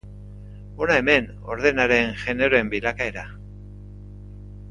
Hona hemen ordenaren generoen bilakaera.